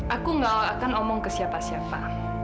aku gak akan omong ke siapa siapa